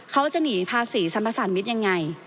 เขาจะหนีภาษีสัมภาษณมิตรยังไง